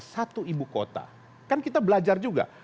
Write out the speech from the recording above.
satu ibu kota kan kita belajar juga